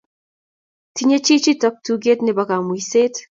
Tinyei chichoto tuget nebo kamuiset